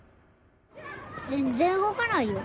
全然動かないよ。